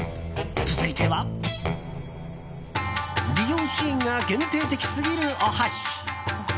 続いては利用シーンが限定的すぎるお箸。